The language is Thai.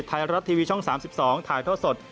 ไทยรัฐทีวีช่อง๓๒ถ่ายท่อสด